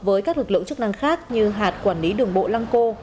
với các lực lượng chức năng khác như hạt quản lý đường bộ lăng cô